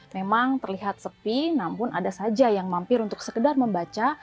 memang terlihat sepi namun ada saja yang mampir untuk sekedar membaca